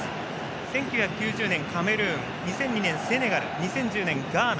１９９０年、カメルーン２００２年セネガルガーナ。